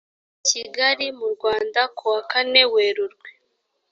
kigali mu rwanda kuwa kane werurwe